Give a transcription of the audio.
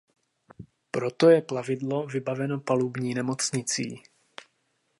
Proto je plavidlo vybaveno palubní nemocnicí.